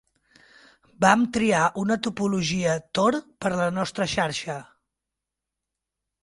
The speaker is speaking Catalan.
Vam triar una topologia tor per a la nostra xarxa.